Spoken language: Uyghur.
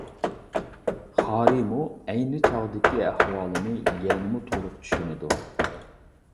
خارىمۇ ئەينى چاغدىكى ئەھۋالنى يەنىمۇ تولۇق چۈشىنىدۇ.